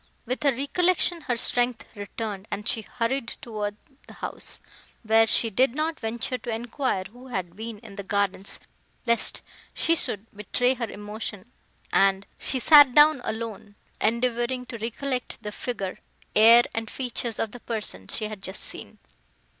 With her recollection, her strength returned, and she hurried toward the house, where she did not venture to enquire who had been in the gardens, lest she should betray her emotion; and she sat down alone, endeavouring to recollect the figure, air and features of the person she had just seen.